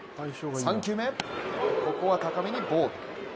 ３球目、ここは高めにボール。